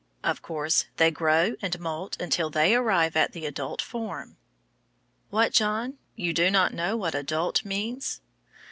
Of course, they grow and moult until they arrive at the adult form. What, John? You do not know what "adult" means?